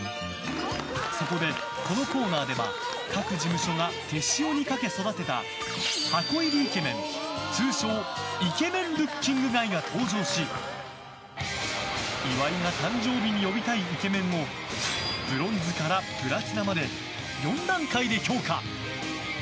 そこで、このコーナーでは各事務所が手塩にかけ育てた箱入りイケメン通称イケメン・ルッキングガイが登場し岩井が誕生日に呼びたいイケメンをブロンズからプラチナまで４段階で評価。